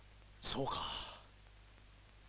そうか。